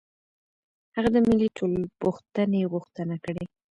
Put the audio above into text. هغه د ملي ټولپوښتنې غوښتنه کړې.